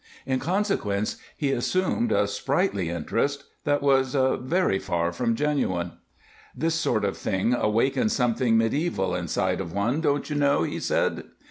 In consequence, he assumed a sprightly interest that was very far from genuine. "This sort of thing awakens something medieval inside of one, don't you know," he said.